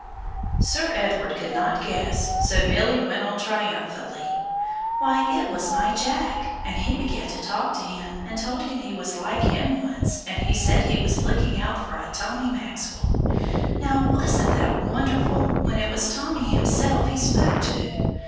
Sir Edward could not guess, so Milly went on triumphantly: "Why, it was my Jack, and he began to talk to him, and told him he was like him once, and he said he was looking out for a Tommy Maxwell. Now wasn't that wonderful, when it was Tommy himself he spoke to!